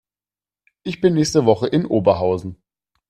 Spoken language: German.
Ich bin nächste Woche in Oberhausen